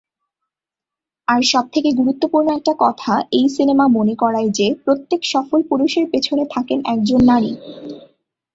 আর সবথেকে গুরুত্বপূর্ণ একটা কথা এই সিনেমা মনে করায় যে, প্রত্যেক সফল পুরুষের পেছনে থাকেন একজন নারী!